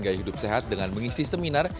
gaya hidup sehat dengan mengisi seminar